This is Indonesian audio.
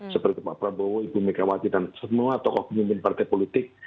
seperti pak prabowo ibu megawati dan semua tokoh pemimpin partai politik